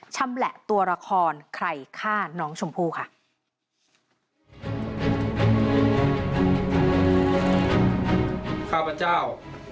ชำแหละตัวละครใครฆ่าน้องชมพู่ค่ะ